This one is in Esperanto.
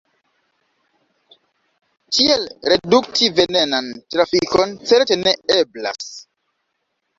Tiel redukti venenan trafikon certe ne eblas.